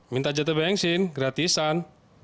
minta jatah bensin gratisan